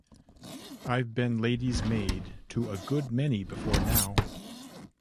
I've been lady's maid to a good many before now.